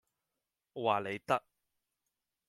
我話你得